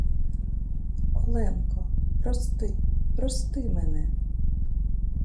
Оленко, прости, прости мене!